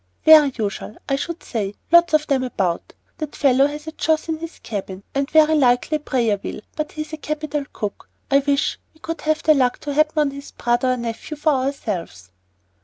"Very usual, I should say. Lots of them about. That fellow has a Joss in his cabin, and very likely a prayer wheel; but he's a capital cook. I wish we could have the luck to happen on his brother or nephew for ourselves."